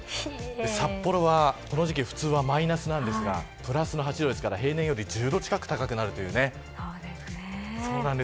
札幌はこの時期普通はマイナスですがプラスの８度なので平年より１０度近く高くなります。